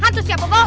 hantu siap bobo